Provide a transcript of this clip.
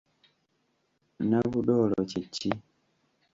Nabudoolo kye ki?